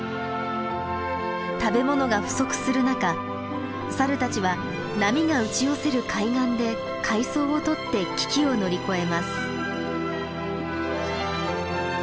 食べ物が不足する中サルたちは波が打ち寄せる海岸で海藻を採って危機を乗り越えます。